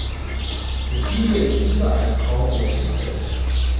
Für viele ist dieser Albtraum Realität.